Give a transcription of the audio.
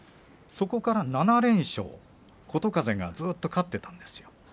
そこから７連勝、琴風がずっと勝っていったんですよ。